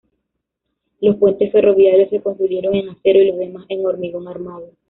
Los puentes ferroviarios se construyeron en acero y los demás en hormigón armado.